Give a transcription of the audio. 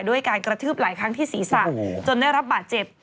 ด้วยการกระทืบหลายครั้งที่ศีรษะจนได้รับบาดเจ็บ